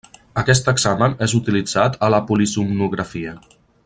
Aquest examen és utilitzat a la polisomnografia.